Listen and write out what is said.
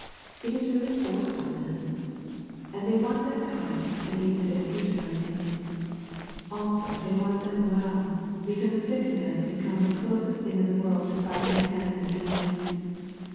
It is really forced on them! And they want them kind and even a bit patronizing. Also they want them well, because a sick man can come the closest thing in the world to biting the hand that feeds him.